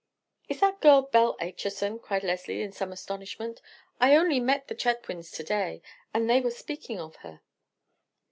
"Is that girl Belle Acheson?" cried Leslie in some astonishment. "I only met the Chetwynds to day, and they were speaking of her."